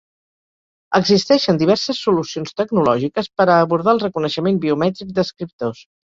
Existeixen diverses solucions tecnològiques per a abordar el reconeixement biomètric d'escriptors.